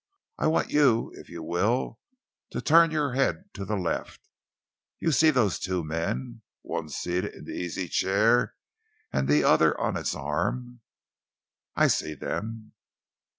I want you, if you will, to turn your head to the left. You see those two men one seated in the easy chair and the other on its arm?" "I see them."